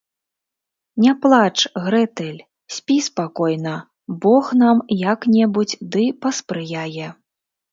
- Не плач, Грэтэль, спі спакойна, Бог нам як-небудзь ды паспрыяе